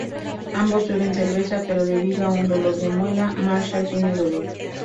Ambos beben cerveza, pero debido a un dolor de muela, Marshall tiene dolor.